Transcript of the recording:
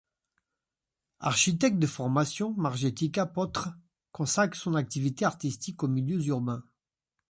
Architecte de formation, Marjetica Potrc consacre son activité artistique aux milieux urbains.